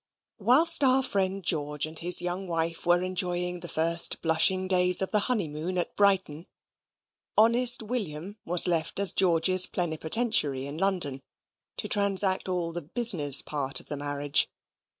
Whilst our friend George and his young wife were enjoying the first blushing days of the honeymoon at Brighton, honest William was left as George's plenipotentiary in London, to transact all the business part of the marriage.